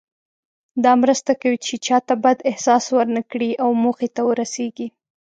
دا مرسته کوي چې چاته بد احساس ورنه کړئ او موخې ته ورسیږئ.